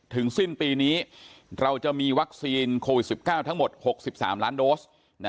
สิ้นปีนี้เราจะมีวัคซีนโควิด๑๙ทั้งหมด๖๓ล้านโดส